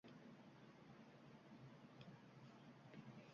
— Qayda. Do‘xtirlar hech qayerga chiqarmay qo‘yishdi-ku! Meni muncha ayashmasa!